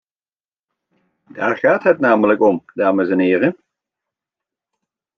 Daar gaat het namelijk om, dames en heren.